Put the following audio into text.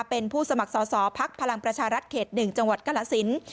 เป็นผู้สมัครสอสอภักดิ์พลังประชารัฐเขต๑จังหวัดกรสิน